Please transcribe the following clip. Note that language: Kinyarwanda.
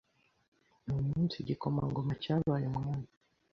Uwo munsi igikomangoma cyabaye umwami.